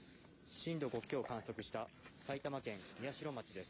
震度５強を観測した埼玉県宮代町です。